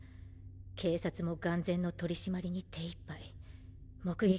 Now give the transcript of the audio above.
警察も眼前の取り締まりに手一杯目撃